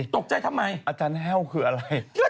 ตกใจอาจารย์แห้วคืออะไร